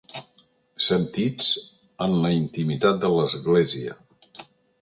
Sentits en la intimitat de l'església.